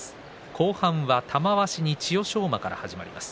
後半は玉鷲と千代翔馬から始まります。